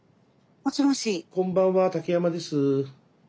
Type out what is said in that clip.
こんばんは竹山です。